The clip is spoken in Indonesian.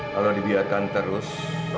kalau dibiarkan terus